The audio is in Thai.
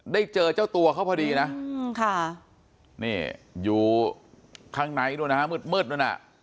ได้เจอเจ้าตัวเขาพอดีนะค่ะนี่อยู่ข้างในด้วยนะฮะเหมืดด้วยนะฮะ